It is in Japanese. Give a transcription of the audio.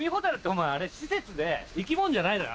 お前あれ施設で生き物じゃないのよ。